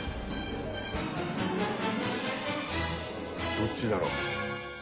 「どっちだろう？」